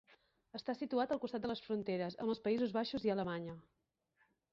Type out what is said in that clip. Està situat al costat de les fronteres amb els Països Baixos i Alemanya.